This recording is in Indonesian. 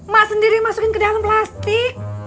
mak sendiri masukin ke dalam plastik